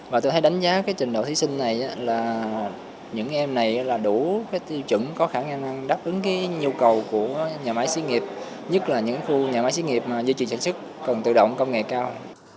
và tôi thấy đánh giá cái trình độ thí sinh này là những em này là đủ tiêu chuẩn có khả năng đáp ứng cái nhu cầu của nhà máy xí nghiệp nhất là những khu nhà máy xí nghiệp mà duy trì sản xuất cần tự động công nghệ cao